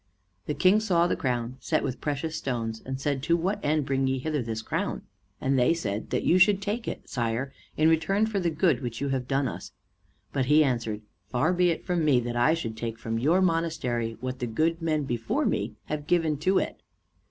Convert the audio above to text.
The King saw the crown, set with precious stones, and said, "To what end bring ye hither this crown?" And they said, "That you should take it, sire, in return for the good which you have done us." But he answered, "Far be it from me that I should take from your monastery what the good men before me have given to it!